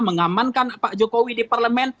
mengamankan pak jokowi di parlemen